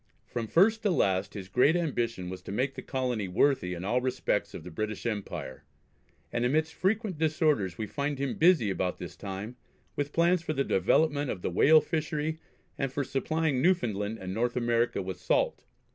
From first to last his great ambition was to make the colony worthy in all respects of the British Empire, and amidst frequent disorders we find him busy about this time with plans for the development of the whale fishery, and for supplying Newfoundland and North America with salt.